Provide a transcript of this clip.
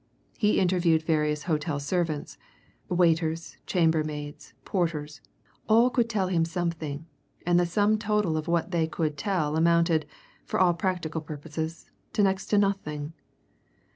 He interviewed various hotel servants waiters, chambermaids, porters, all could tell him something, and the sum total of what they could tell amounted, for all practical purposes, to next to nothing.